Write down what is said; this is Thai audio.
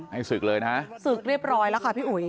ศึกเลยนะศึกเรียบร้อยแล้วค่ะพี่อุ๋ย